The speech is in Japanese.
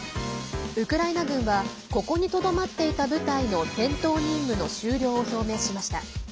ウクライナ軍はここにとどまっていた部隊の戦闘任務の終了を表明しました。